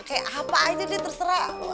kayak apa aja dia terserah